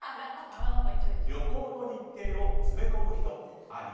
旅行の日程を詰め込む人あり？